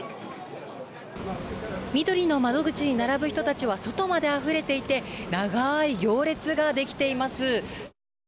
みどりの窓口に並ぶ人たちは外まであふれていて長い行列ができています。